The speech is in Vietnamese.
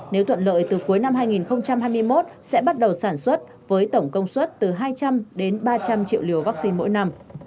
nếu thuận lợi từ cuối năm hai nghìn hai mươi một sẽ bắt đầu sản xuất với tổng công suất từ hai trăm linh đến ba trăm linh triệu liều vaccine mỗi năm